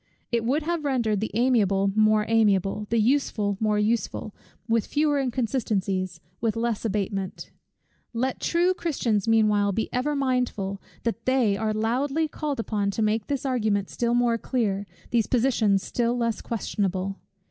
It would have rendered the amiable more amiable, the useful more useful, with fewer inconsistencies, with less abatement. Let true Christians meanwhile be ever mindful, that they are loudly called upon to make this argument still more clear, these positions still less questionable.